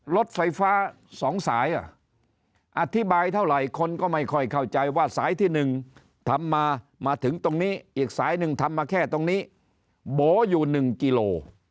รถไฟฟ้า๒สายอธิบายเท่าไหร่คนก็ไม่ค่อยเข้าใจว่าสายที่๑ทำมามาถึงตรงนี้อีกสายหนึ่งทำมาแค่ตรงนี้โบ๋อยู่๑กิโล